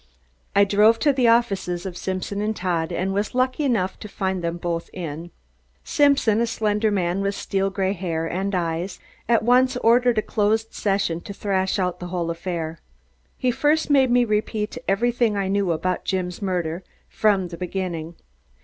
I drove to the offices of Simpson and Todd and was lucky enough to find both of them in. Simpson, a slender man with steel gray hair and eyes, at once ordered a closed session to thrash out the whole affair. He first made me repeat everything I knew about Jim's murder, from the beginning.